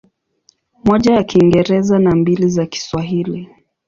Moja ya Kiingereza na mbili za Kiswahili.